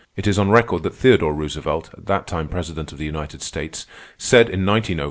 It is on record that Theodore Roosevelt, at that time President of the United States, said in 1905 A.D.